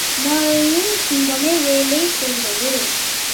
உமாரின் சிந்தனை வேலை செய்தது.